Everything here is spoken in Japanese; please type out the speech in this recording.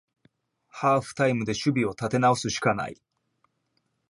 ハーフタイムで守備を立て直すしかない